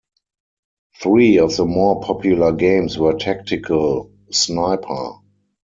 Three of the more popular games were tactical: Sniper!